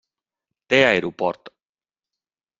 Té aeroport.